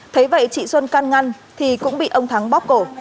thế vậy chị xuân can ngăn thì cũng bị ông thắng bóp cổ